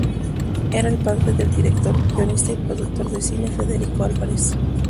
Era el padre del director, guionista y productor de cine Federico Álvarez.